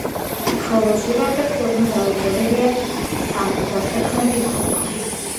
ხოლო ჟირაფებს თურმე დაუგროვებიათ სამოცდათოთხმეტი ქულა.